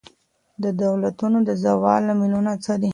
د دولتونو د زوال لاملونه څه دي؟